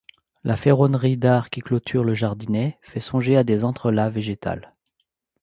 La ferronnerie d'art qui clôture le jardinet fait songer à un entrelacs végétal.